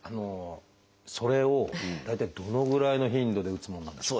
それを大体どのぐらいの頻度で打つものなんでしょう？